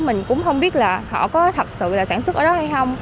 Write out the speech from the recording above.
mình cũng không biết là họ có thật sự là sản xuất ở đó hay không